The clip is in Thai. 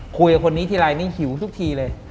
คุยกับคนนี้ทีไรนี่หิวทุกทีเลย